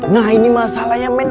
nah ini masalahnya men